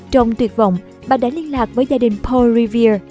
trong tuyệt vọng bà đã liên lạc với gia đình paul revere